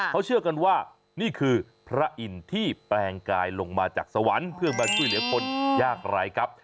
เขาเชื่อกันว่านี่คือพระอินทร์ที่แปลงกายลงมาจากสวรรค์เพื่อมาช่วยเหลือคนยากไร้ครับ